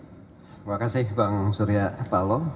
terima kasih bang surya paloh